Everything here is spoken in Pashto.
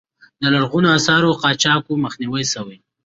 د لرغونو آثارو قاچاق مخنیوی شوی؟